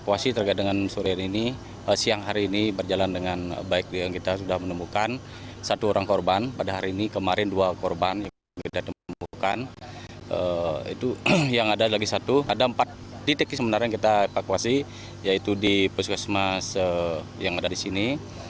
ada lagi satu ada empat titik sebenarnya kita evakuasi yaitu di posko basar yang ada di sini